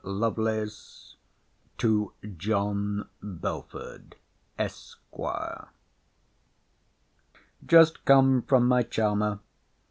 LOVELACE, TO JOHN BELFORD, ESQ. Just come from my charmer.